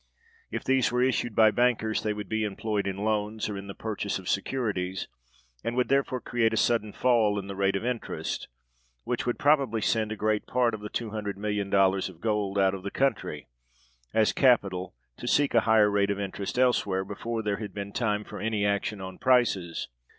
If these were issued by bankers, they would be employed in loans, or in the purchase of securities, and would therefore create a sudden fall in the rate of interest, which would probably send a great part of the $200,000,000 of gold out of the country as capital, to seek a higher rate of interest elsewhere, before there had been time for any action on prices.